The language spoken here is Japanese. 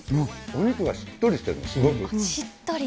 お肉がしっとりしてるの、しっとり。